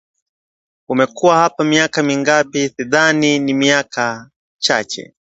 Umekuwa hapa miaka mingapi? Sidhani ni miaka chache